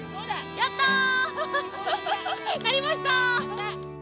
やりました！